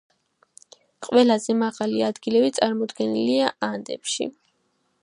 ყველაზე მაღალი ადგილები წარმოდგენილია ანდებში.